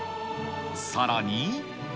さらに。